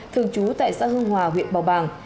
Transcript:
thường trú tại xã hương hòa huyện bào bàng